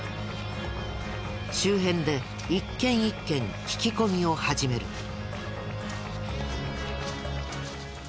周辺で一軒一軒聞き込みを始める。